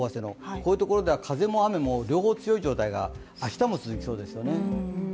こういうところでは風も雨も両方強い状態が明日も続きそうですよね。